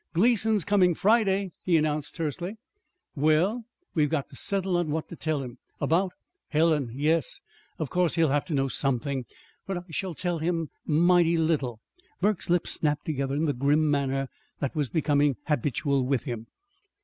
"Gleason's coming Friday," he announced tersely. "Well?" "We've got to settle on what to tell him." "About " "Helen yes. Of course he'll have to know something; but I shall tell him mighty little." Burke's lips snapped together in the grim manner that was becoming habitual with him.